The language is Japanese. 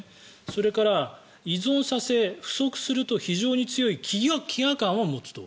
それから、依存させ、不足すると非常に強い飢餓感を持つと。